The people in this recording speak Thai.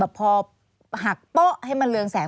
แบบพอหักป้อให้มันเรื่องแสง